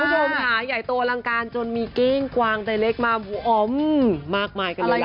คุณผู้ชมค่ะใหญ่โตอลังการจนมีกิ้งกวางใจเล็กมาหูอมมากมายกันเลยล่ะ